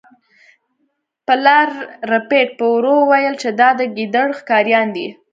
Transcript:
پلار ربیټ په ورو وویل چې دا د ګیدړ ښکاریان دي